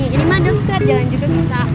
ini mah dekat jalan juga bisa